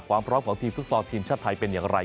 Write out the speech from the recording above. ความพร้อมของทีมฟุตซอลทีมชาติไทยเป็นอย่างไร